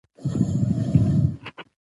د نورو معلومات لپاره د تماس شمېرې: